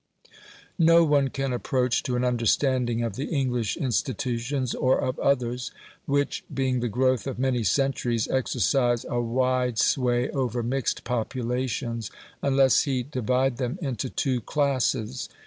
No one can approach to an understanding of the English institutions, or of others, which, being the growth of many centuries, exercise a wide sway over mixed populations, unless he divide them into two classes.